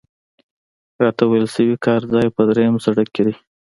راته ویل شوي کار ځای په درېیم سړک کې دی.